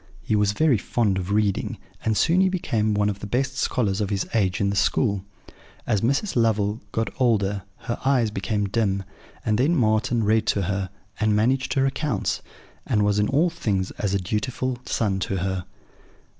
He was very fond of reading; and soon he became one of the best scholars of his age in the school. As Mrs. Lovel got older, her eyes became dim; and then Marten read to her, and managed her accounts, and was in all things as a dutiful son to her.